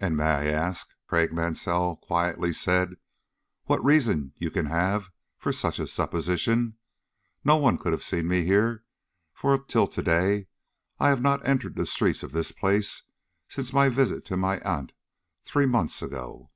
"And may I ask," Craik Mansell quietly said, "what reason you can have for such a supposition? No one could have seen me here, for, till to day I have not entered the streets of this place since my visit to my aunt three months ago."